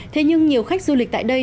thế nhưng nhiều khách du lịch tại đây